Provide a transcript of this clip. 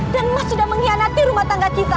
dan mas sudah mengkhianati rumah tangga kita